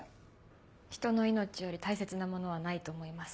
人の命より大切なものはないと思います。